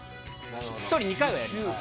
１人２回はやります。